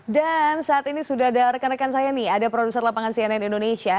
dan saat ini sudah ada rekan rekan saya nih ada produser lapangan cnn indonesia